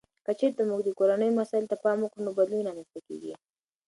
که چیرته موږ د کورنیو مسایلو ته پام وکړو، نو بدلون رامنځته کیږي.